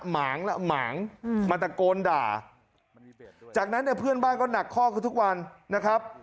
หมางละหมางมาตะโกนด่าจากนั้นเนี่ยเพื่อนบ้านก็หนักข้อเขาทุกวันนะครับ